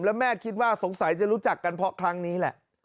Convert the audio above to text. แล้วแม่คิดว่าสงสัยจะรู้จักกันเพราะครั้งนี้แหละ